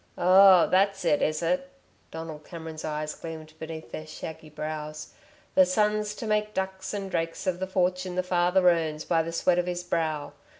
"Oh, that's it, is it?" Donald Cameron's grey eyes gleamed beneath their shaggy brows. "The son's to make ducks and drakes of the fortune the father earns by the sweat of his brow.